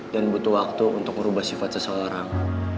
dan butuh waktu untuk ngerubah sifat seseorang